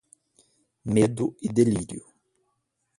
Medo e delírio